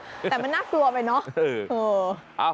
แต่มันน่ากลัวไปเนอะ